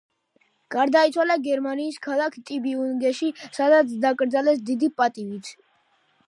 გარდაიცვალა გერმანიის ქალაქ ტიუბინგენში, სადაც დაკრძალეს დიდი პატივით.